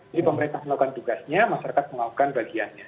jadi pemerintah melakukan tugasnya masyarakat melakukan bagiannya